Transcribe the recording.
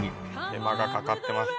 手間がかかってます。